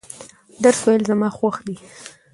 درس ویل زما خوښ دي.